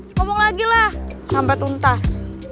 ngomong lagi lah sampe tuntas